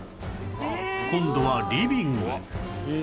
今度はリビング